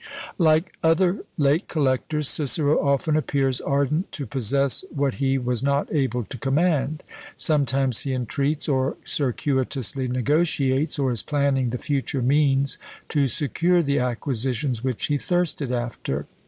Like other late collectors, Cicero often appears ardent to possess what he was not able to command; sometimes he entreats, or circuitously negotiates, or is planning the future means to secure the acquisitions which he thirsted after.